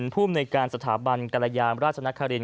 ผู้มนิการสถาบันกรยามราชนครินต์